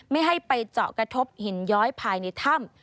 ไม่ให้ไปเจาะกระทบหินย้อยภายในถ้ำ